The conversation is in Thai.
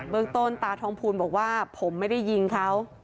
เมืองต้นตาทองภูลบอกว่าผมไม่ได้ยิงเขา